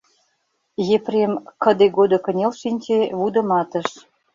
Епрем кыде-годо кынел шинче, вудыматыш: